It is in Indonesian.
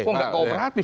kok gak kooperatif